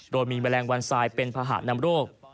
โดยมีแบรนด์วันทรายเป็นพหานำโรค